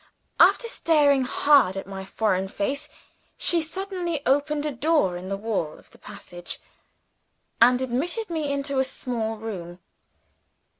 After staring hard at my foreign face, she suddenly opened a door in the wall of the passage, and admitted me into a small room.